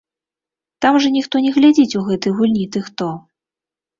Там жа ніхто не глядзіць у гэтай гульні ты хто.